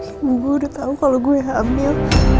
ibu gue udah tau kalo gue hamil